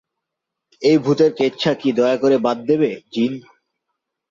এই ভূতের কেচ্ছা কি দয়া করে বাদ দেবে, জিন?